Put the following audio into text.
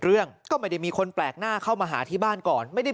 เรื่องก็ไม่ได้มีคนแปลกหน้าเข้ามาหาที่บ้านก่อนไม่ได้